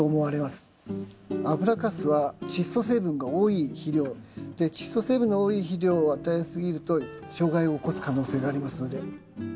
油かすはチッ素成分が多い肥料でチッ素成分の多い肥料を与えすぎると障害を起こす可能性がありますので。